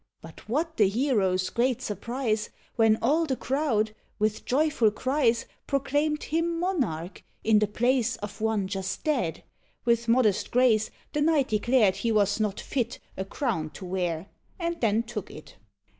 But what the hero's great surprise, When all the crowd, with joyful cries, Proclaimed him monarch, in the place Of one just dead! With modest grace The knight declared he was not fit A crown to wear, and then took it.